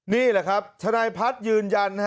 นี่แหละครับทนายพัฒน์ยืนยัน